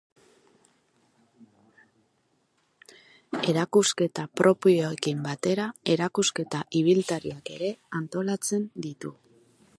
Erakusketa propioekin batera erakusketa ibiltariak ere antolatzen ditu.